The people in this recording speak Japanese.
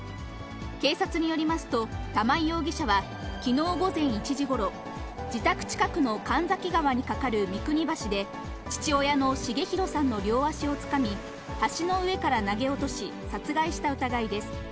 警察によりますと、玉井容疑者はきのう午前１時ごろ、自宅近くの神崎川に架かる三国橋で、父親の重弘さんの両足をつかみ、橋の上から投げ落とし、殺害した疑いです。